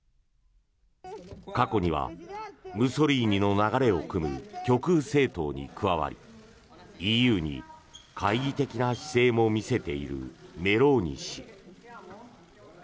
過去にはムソリーニの流れをくむ極右政党に加わりＥＵに懐疑的な姿勢も見せているメローニ氏。